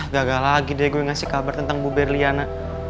gagal lagi deh gue ngasih kabar tentang bu berliana